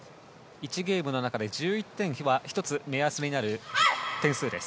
１ゲームの中で１１点が１つ目安になる点数です。